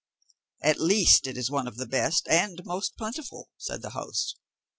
"At least it is one of the best and most plentiful," said the host.